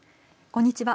こんにちは。